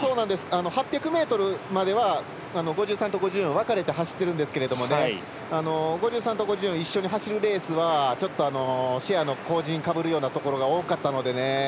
８００ｍまでは５３と５４分かれて走っているんですけど５３と５４一緒に走るレースはシェアの後じんをかぶるようなところが多かったので。